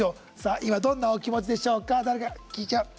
今、どんなお気持ちでしょうか？